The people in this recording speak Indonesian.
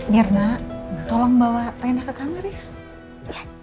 mirna tolong bawa rena ke kamar ya